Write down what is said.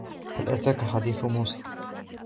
وهل أتاك حديث موسى